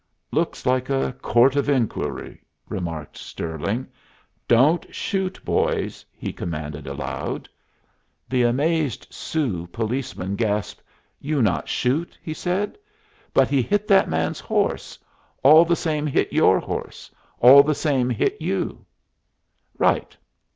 "Looks like the court of inquiry," remarked Stirling. "Don't shoot, boys," he commanded aloud. The amazed Sioux policeman gasped. "You not shoot?" he said. "But he hit that man's horse all the same hit your horse, all the same hit you." "Right.